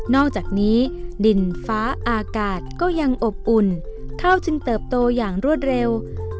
อกจากนี้ดินฟ้าอากาศก็ยังอบอุ่นข้าวจึงเติบโตอย่างรวดเร็ว